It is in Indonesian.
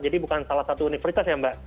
jadi bukan salah satu universitas ya mbak